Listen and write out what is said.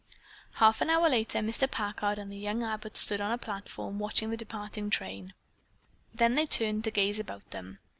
Half an hour later, Mr. Packard and the young Abbotts stood on a platform watching the departing train. Then they turned to gaze about them.